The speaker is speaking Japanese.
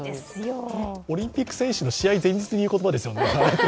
オリンピック選手の試合前日に言う言葉ですよね。